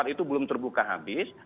satu empat itu belum terbuka habis